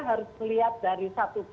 harus melihat dari satu